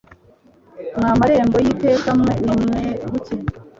Mwa marembo y'iteka mwe nimweguke